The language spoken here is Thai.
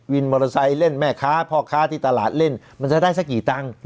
มอเตอร์ไซค์เล่นแม่ค้าพ่อค้าที่ตลาดเล่นมันจะได้สักกี่ตังค์